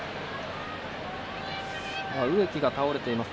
植木が倒れています。